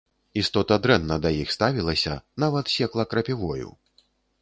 Істота дрэнна да іх ставілася, нават секла крапівою.